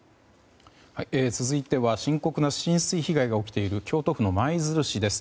続いては深刻な浸水被害が起きている京都府の舞鶴市です。